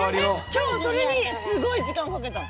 今日それにすごい時間かけたの。